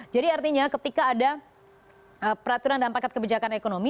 jadi artinya ketika ada peraturan dalam paket kebijakan ekonomi